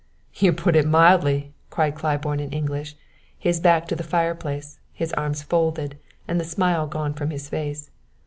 "You put it mildly," cried Claiborne in English, his back to the fireplace, his arms folded, and the smile gone from his face.